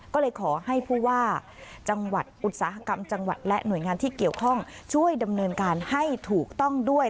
ก็เลยขอให้ผู้ว่าจังหวัดอุตสาหกรรมจังหวัดและหน่วยงานที่เกี่ยวข้องช่วยดำเนินการให้ถูกต้องด้วย